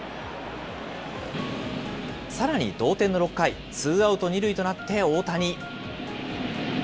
さらに同点の６回、ツーアウト２塁となって大谷。